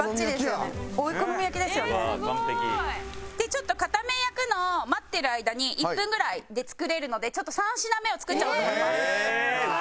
ちょっと片面焼くのを待ってる間に１分ぐらいで作れるのでちょっと３品目を作っちゃおうと思います。